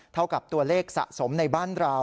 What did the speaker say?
เท่ากับตัวเลขสะสมในบ้านเรา